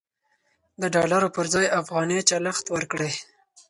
د ډالرو پر ځای افغانۍ چلښت ورکړئ.